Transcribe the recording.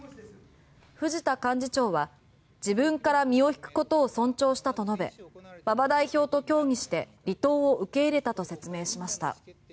藤田幹事長は自分から身を引くことを尊重したと述べ馬場代表と協議して離党を受け入れたと説明しました。